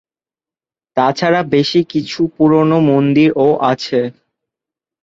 তাছাড়া বেশ কিছু পুরানো মন্দির ও আছে।